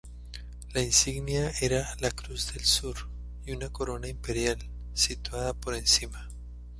La insignia era la Cruz del Sur y una corona imperial, situada por encima.